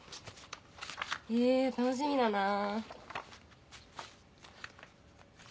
え楽しみだなぁ。